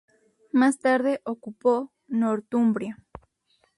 Más tarde ocupó Northumbria.